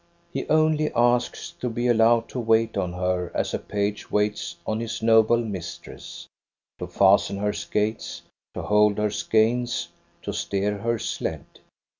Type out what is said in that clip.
He only asks to be allowed to wait on her as a page waits on his noble mistress: to fasten her skates, to hold her skeins, to steer her sled.